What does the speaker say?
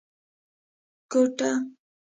کوټه